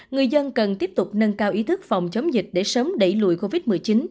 người dân cần tiếp tục nâng cao ý thức phòng chống dịch để sớm đẩy lùi covid một mươi chín